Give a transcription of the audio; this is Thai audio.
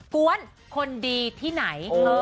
กวนคนดีที่ไหน